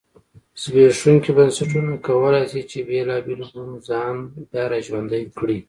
زبېښونکي بنسټونه کولای شي چې بېلابېلو بڼو ځان بیا را ژوندی کړی.